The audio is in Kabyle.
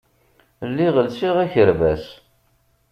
Lliɣ lsiɣ akerbas.